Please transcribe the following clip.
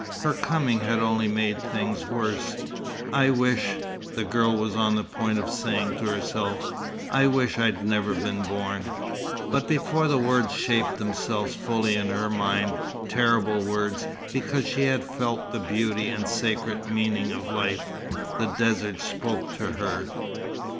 Her coming had only made things worse. "I wish " the girl was on the point of saying to herself "I wish I'd never been born." But before the words shaped themselves fully in her mind terrible words, because she had felt the beauty and sacred meaning of life the desert spoke to her.